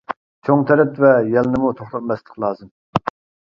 چوڭ تەرەت ۋە يەلنىمۇ توختاتماسلىق لازىم.